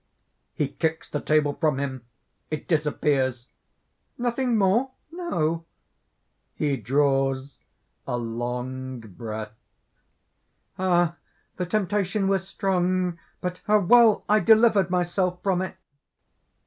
(He kicks the table from him. It disappears.) "Nothing more? no!" (He draws a lung breath.) "Ah! the temptation was strong! But how well I delivered myself from it!"